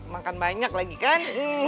makan banyak lagi kan